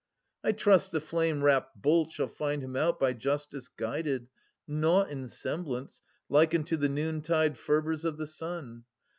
I trust the flame wrapped bolt shall find him out By Justice guided, nought in semblance like Unto the noontide fervours of the sun.